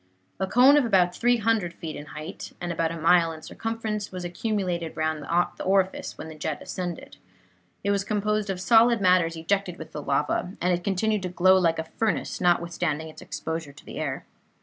A cone of about 300 feet in height, and about a mile in circumference, was accumulated round the orifice whence the jet ascended. It was composed of solid matters ejected with the lava, and it continued to glow like a furnace, notwithstanding its exposure to the air.